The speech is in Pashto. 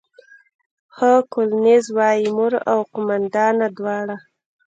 خو کولینز وايي، مور او قوماندانه دواړه.